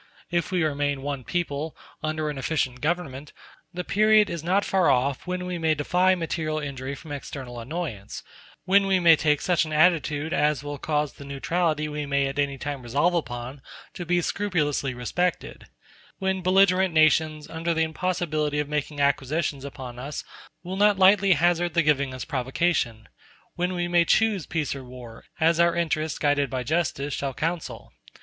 If we remain one people, under an efficient government, the period is not far off when we may defy material injury from external annoyance; when we may take such an attitude as will cause the neutrality we may at any time resolve upon to be scrupulously respected; when belligerent nations, under the impossibility of making acquisitions upon us, will not lightly hazard the giving us provocation; when we may choose peace or war, as our interest, guided by justice, shall counsel.